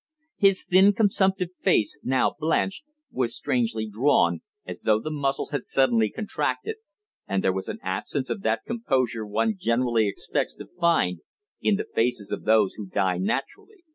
His thin, consumptive face, now blanched, was strangely drawn, as though the muscles had suddenly contracted, and there was an absence of that composure one generally expects to find in the faces of those who die naturally.